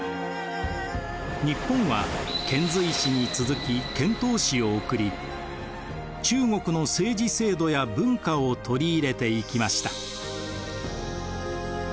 日本は遣隋使に続き遣唐使を送り中国の政治制度や文化を取り入れていきました。